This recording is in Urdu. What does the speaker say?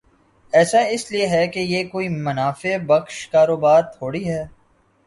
ایسا اس لئے ہے کہ یہ کوئی منافع بخش کاروبار تھوڑی ہے۔